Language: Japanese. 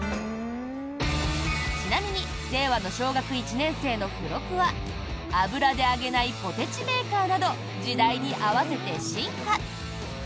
ちなみに令和の「小学一年生」の付録は油で揚げないポテチメーカーなど時代に合わせて進化。